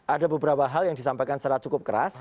ada beberapa hal yang disampaikan secara cukup keras